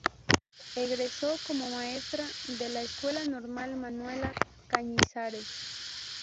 Egresó como maestra desde la Escuela Normal Manuela Cañizares.